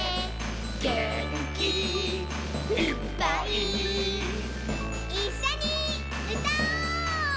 「げんきいっぱい」「いっしょにうたおう！」